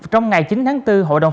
trong ngày chín tháng bốn